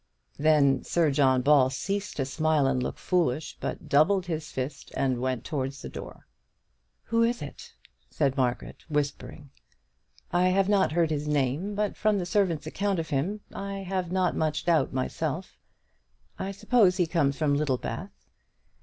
Then Sir John Ball ceased to smile, and look foolish, but doubled his fist, and went towards the door. "Who is it?" said Margaret, whispering. "I have not heard his name, but from the servant's account of him I have not much doubt myself; I suppose he comes from Littlebath.